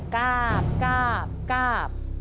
กาบกาบกาบ